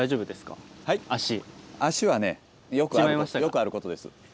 足はねよくあることです。